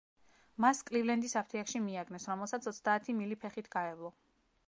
მას, კლივლენდის აფთიაქში მიაგნეს, რომელსაც ოცდაათი მილი ფეხით გაევლო.